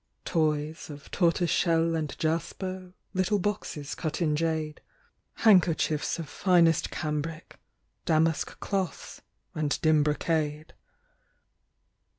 Toys of tortoiseshell and jasper, Little boxes cut in jade ; Handkerchiefs of finest cambric, Damask cloths and dim brocade.